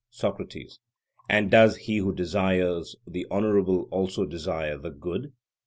SOCRATES: And does he who desires the honourable also desire the good?